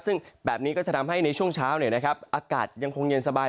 ซึ่งแบบนี้ก็จะทำให้ในช่วงเช้าอากาศยังคงเย็นสบาย